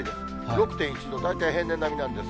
６．１度、大体平年並みなんです。